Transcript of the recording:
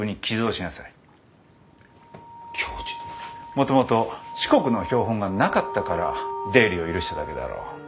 もともと四国の標本がなかったから出入りを許しただけだろう？